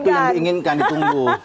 itu yang diinginkan ditunggu